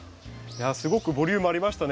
すごくボリュームありましたね